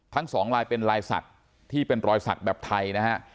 ทั้งสองลายเป็นลายศักดิ์ที่เป็นรอยสักแบบไทยนะฮะ